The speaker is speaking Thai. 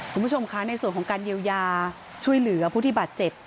คุณผู้ชมคะในส่วนของการเยียวยาช่วยเหลือผู้ที่บาดเจ็บ